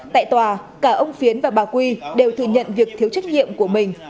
tại tòa cả ông phiến và bà quy đều thừa nhận việc thiếu trách nhiệm của mình